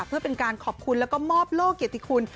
เพื่อเป็นการขอบคุณแล้วก็มอบโลกเกียรติคุณ